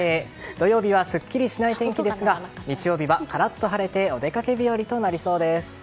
土曜日はすっきりしない天気ですが日曜日はカラッと晴れてお出かけ日和となりそうです。